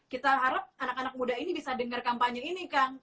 kita harap anak anak muda ini bisa dengar kampanye ini kang